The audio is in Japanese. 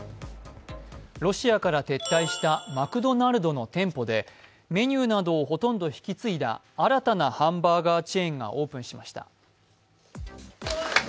ロシアから撤退したマクドナルドの店舗で、メニューなどをほとんど引き継いだ新たなハンバーガーチェーンがオープンしました。